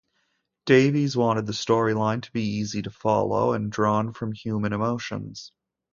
Davies wanted the storyline to be easy-to-follow and drawn from human emotions.